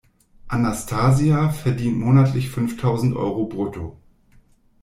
Anastasia verdient monatlich fünftausend Euro brutto.